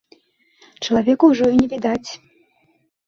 Чалавека ўжо і не відаць.